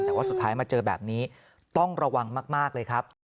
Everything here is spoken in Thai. แต่ว่าสุดท้ายมาเจอแบบนี้ต้องระวังมากเลยครับ